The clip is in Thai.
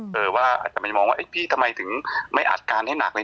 เออว่าอาจจะไปมองว่าพี่ทำไมถึงไม่อัดการให้หนักเลย